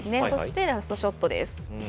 そしてラストショットです。